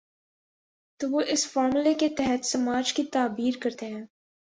تو وہ اس فارمولے کے تحت سماج کی تعبیر کرتے ہیں۔